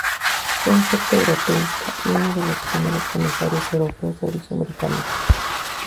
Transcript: Fue un fuerte europeísta, y uno de los primeros Comisarios Europeos de origen británico.